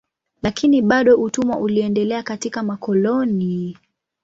Lakini bado utumwa uliendelea katika makoloni.